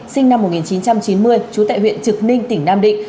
sinh năm một nghìn chín trăm chín mươi trú tại huyện trực ninh tỉnh nam định